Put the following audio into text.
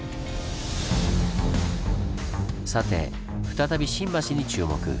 さて再び新橋に注目。